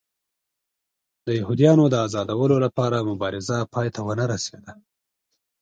د یهودیانو د ازادولو لپاره مبارزه پای ته ونه رسېده.